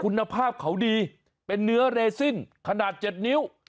คุณภาพเขาดีเป็นเนื้อเรซินขนาด๗นิ้ว